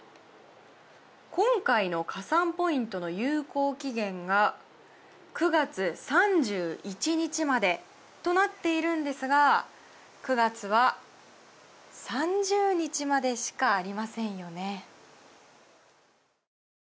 今回の加算ポイントの有効期限が９月３１日までとなっているんですが９月は３０日までしかありませんよね。